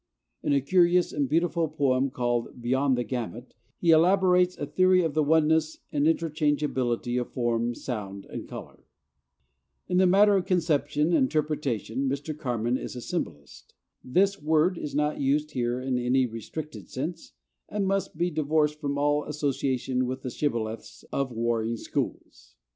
In a curious and beautiful poem called 'Beyond the Gamut' he elaborates a theory of the oneness and interchangeability of form, sound, and color. In the matter of conception and interpretation Mr. Carman is a symbolist. This word is not used here in any restricted sense, and must be divorced from all association with the shibboleths of warring schools.